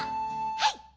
はい。